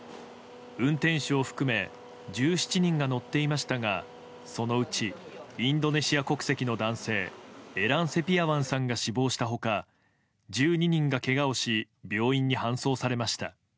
運転手を含め１７人が乗っていましたがそのうちインドネシア国籍の男性エラン・セピアワンさんが死亡した他１２人がけがをし病院に搬送されました。